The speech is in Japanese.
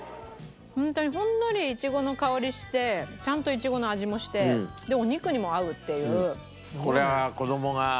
ホントにほんのりいちごの香りしてちゃんといちごの味もしてでお肉にも合うっていう。